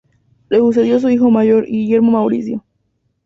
Le sucedió su hijo mayor, Guillermo Mauricio.